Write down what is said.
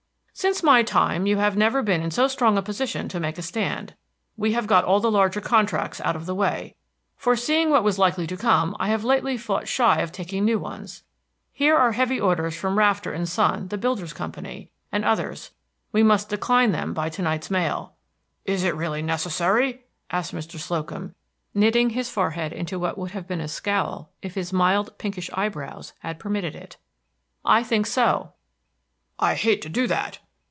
"Since my time you have never been in so strong a position to make a stand. We have got all the larger contracts out of the way. Foreseeing what was likely to come, I have lately fought shy of taking new ones. Here are heavy orders from Rafter & Son, the Builders' Company, and others. We must decline them by to night's mail." "Is it really necessary?" asked Mr. Slocum, knitting his forehead into what would have been a scowl if his mild pinkish eyebrows had permitted it. "I think so." "I hate to do that."